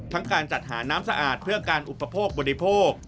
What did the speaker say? การจัดหาน้ำสะอาดเพื่อการอุปโภคบริโภค